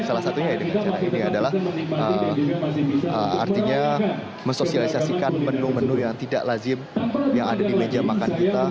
salah satunya ya dengan cara ini adalah artinya mensosialisasikan menu menu yang tidak lazim yang ada di meja makan kita